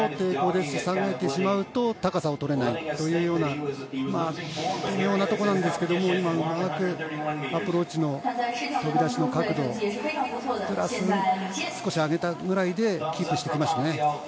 下げてしまうと高さを取れないというような微妙なところなんですがうまくアプローチの飛び出しの角度を少し上げたぐらいでキープしてきましたね。